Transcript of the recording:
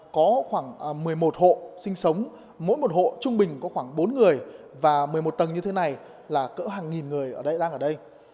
có khoảng một mươi một hộ sinh sống mỗi một hộ trung bình có khoảng bốn người và một mươi một tầng như thế này là cỡ hàng nghìn người ở đây đang ở đây